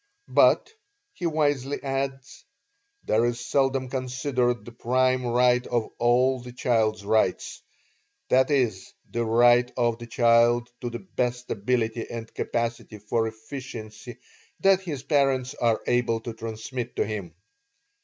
But, he wisely adds, there is seldom considered the prime right of all the child's rights, i. e., the right of the child to the best ability and capacity for efficiency that his parents are able to transmit to him.